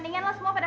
tapi kerjaan juga ya